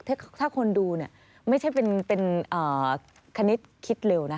ถ้าคนดูเนี่ยไม่ใช่เป็นคณิตคิดเร็วนะ